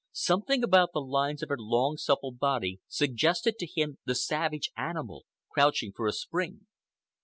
Something about the lines of her long, supple body suggested to him the savage animal crouching for a spring.